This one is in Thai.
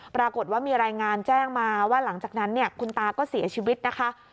ปรากฏว่ามีรายงานแจ้งมาว่าหลังจากนั้นเนี่ยคุณตาก็เสียชีวิตนะคะ